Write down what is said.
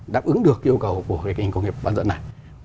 đáp ứng được yêu cầu của cái kênh công nghiệp bán dẫn này